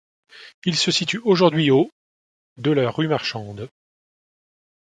Il se situe aujourd’hui au de la rue Marchande.